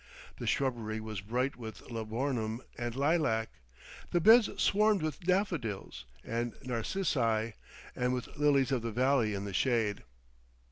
The shrubbery was bright with laburnum and lilac, the beds swarmed with daffodils and narcissi and with lilies of the valley in the shade.